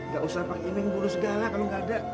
gak usah pak ini nguburuh segala kalau gak ada